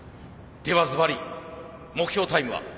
ではずばり目標タイムは？